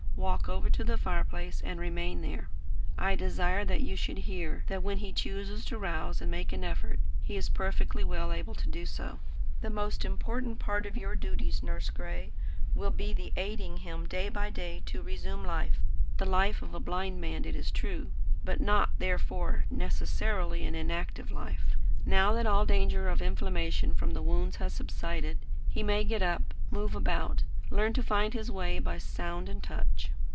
Walk over to the fireplace and remain there. I desire that you should hear, that when he chooses to rouse and make an effort, he is perfectly well able to do so. The most important part of your duties, Nurse Gray, will be the aiding him day by day to resume life, the life of a blind man, it is true; but not therefore necessarily an inactive life. Now that all danger of inflammation from the wounds has subsided, he may get up, move about, learn to find his way by sound and touch.